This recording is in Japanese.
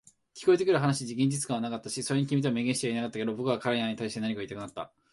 聞こえてくる話に現実感はなかったし、それに君とは明言してはいなかったけど、僕は彼らに対して何かを言いたくなった。